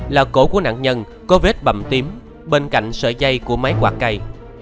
là cổ của nạn nhân có vết bầm tím bên cạnh sợi dây của máy quạt cây